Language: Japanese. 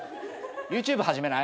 ＹｏｕＴｕｂｅ始めない？